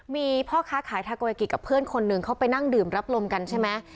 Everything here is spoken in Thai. มีพ่อค้าขายทาโกยากิกับเพื่อนคนหนึ่งเขาไปนั่งดื่มรับลมกันใช่ไหม